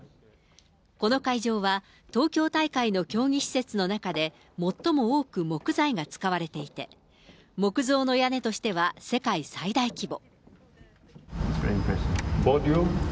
この会場は、東京大会の競技施設の中で、最も多く木材が使われていて、木造の屋根としては世界最大規模。